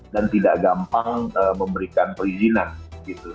dan tidak gampang memberikan perizinan gitu